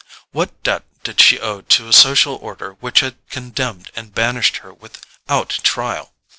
What debt did she owe to a social order which had condemned and banished her without trial?